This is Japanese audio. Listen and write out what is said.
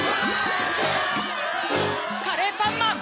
カレーパンマン！